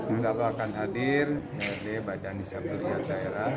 insya allah akan hadir dari badan serbuknya daerah